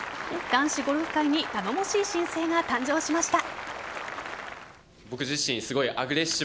男子ゴルフ界に頼もしい新星が誕生しました。